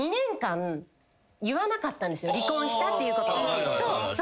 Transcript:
離婚したっていうことを。